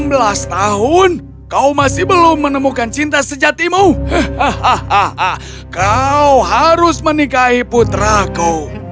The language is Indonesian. jika pada akhir enam belas tahun kau masih belum menemukan cinta sejatimu kau harus menikahi putraku